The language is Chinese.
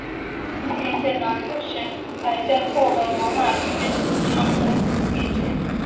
今天见到的是改建后的罗马剧场的遗迹。